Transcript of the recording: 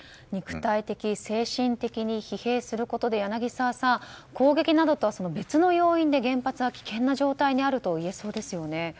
肉体的、精神的に疲弊することで柳澤さん攻撃などとは別の要因で原発が危険な状態にあるといえそうですよね。